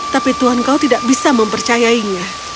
tapi tuhan kau tidak bisa mempercayainya